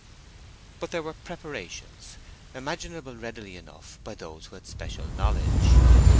But there were preparations, imaginable readily enough by those who had special knowledge.